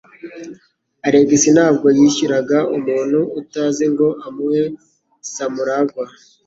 Alex ntabwo yishyuraga umuntu utazi ngo amuhe samuragwa.